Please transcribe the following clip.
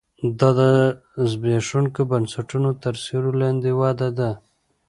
دا د زبېښونکو بنسټونو تر سیوري لاندې وده ده